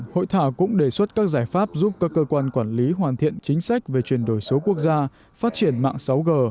hội thảo cũng đề xuất các giải pháp giúp các cơ quan quản lý hoàn thiện chính sách về chuyển đổi số quốc gia phát triển mạng sáu g